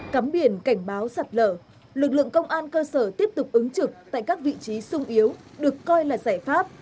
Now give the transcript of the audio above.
cắm biển cảnh báo sạt lở lực lượng công an cơ sở tiếp tục ứng trực tại các vị trí sung yếu được coi là giải pháp